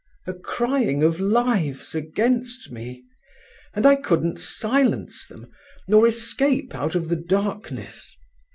"….A crying of lives against me, and I couldn't silence them, nor escape out of the darkness.